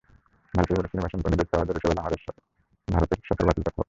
ভারতীয় বোর্ডের শ্রীনিবাসনপন্থীদের চাওয়া, জরুরি সভায় ভারতের বাংলাদেশ সফর বাতিল করা হোক।